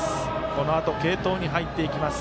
このあと継投に入っていきます。